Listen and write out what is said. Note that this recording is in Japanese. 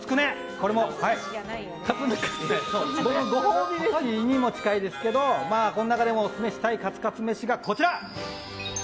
これもカツカツ飯ですがご褒美飯にも近いんですけどこの中でもオススメしたいカツカツ飯がこちら。